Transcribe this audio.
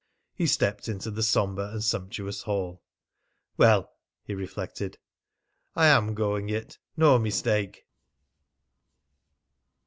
He stepped into the sombre and sumptuous hall. "Well," he reflected, "I am going it no mistake!"